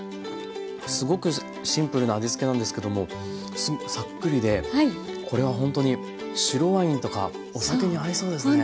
すごくシンプルな味付けなんですけどもサックリでこれはほんとに白ワインとかお酒に合いそうですね。